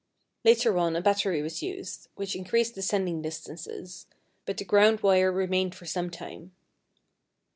Later on a battery was used, which increased the sending distances, but the ground wire remained for some time.